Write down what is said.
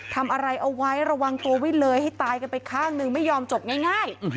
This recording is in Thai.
ทำอะไรเอาไว้ระวังตัววิ่งเลยให้ตายกันไปข้างหนึ่งไม่ยอมจบง่าย